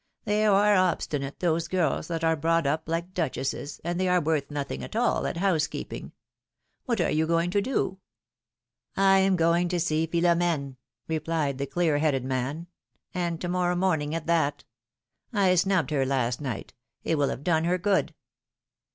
They are obstinate, those girls, that are brought up like duchesses, and they are worth nothing at all at housekeeping. What are you going to do?^^ I am going to see Philom^ne,^^ replied the clear headed man, t'and to morrow morning at that. I snubbed her last night; it will have done her good.